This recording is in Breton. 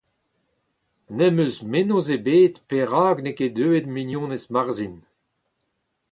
Ne’m eus mennozh ebet perak n’eo ket deuet mignonez Marzhin.